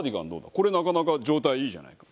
これなかなか状態いいじゃないか。